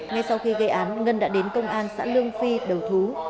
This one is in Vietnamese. ngay sau khi gây án ngân đã đến công an xã lương phi đầu thú